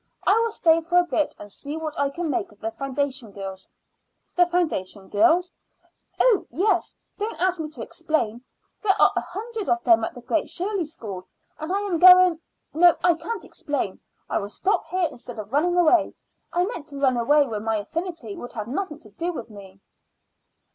I will stay for a bit and see what I can make of the foundation girls." "The foundation girls?" "Oh, yes; don't ask me to explain. There are a hundred of them at the Great Shirley School, and I am going No, I can't explain. I will stop here instead of running away. I meant to run away when my affinity would have nothing to do with me."